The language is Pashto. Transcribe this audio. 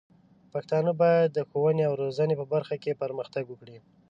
پښتانه بايد د ښوونې او روزنې په برخه کې پرمختګ وکړي.